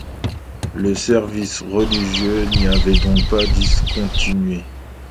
Le service religieux n'y avait donc pas discontinué.